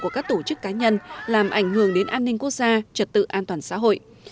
của các tổ chức cá nhân làm ảnh hưởng đến an ninh quốc gia trật tự an toàn xã hội